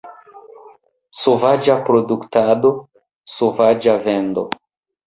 Sovaĝa produktado, sovaĝa vendo.